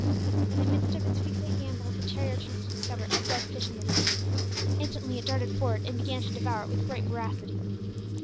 In the midst of its weakly gambols the terrier chanced to discover a dead fish on the sands. Instantly it darted forward and began to devour it with great voracity.